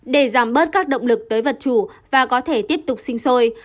để giảm bớt các động lực tới vật chủ và có thể tiếp tục sinh sôi